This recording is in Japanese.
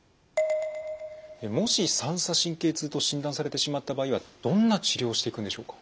もし三叉神経痛と診断されてしまった場合はどんな治療をしていくんでしょうか？